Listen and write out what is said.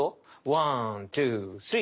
ワントゥースリー。